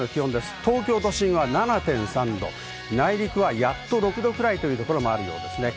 東京都心は７．３度、内陸はやっと６度くらいというところもあります。